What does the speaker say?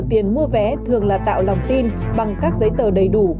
tiền mua vé thường là tạo lòng tin bằng các giấy tờ đầy đủ